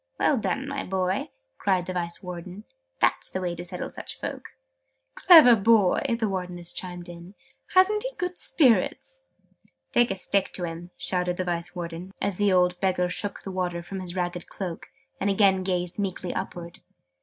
"Well done, my boy!" cried the Vice Warden. "That's the way to settle such folk!" "Clever boy!", the Wardeness chimed in. "Hasn't he good spirits?" "Take a stick to him!" shouted the Vice Warden, as the old Beggar shook the water from his ragged cloak, and again gazed meekly upwards.